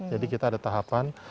jadi kita ada tahapan